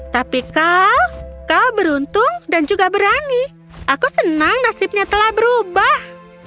tapi kau kau beruntung dan juga berani aku senang nasibnya telah berubah